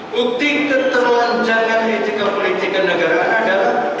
bukti keterlanjangan etika politik dan negara adalah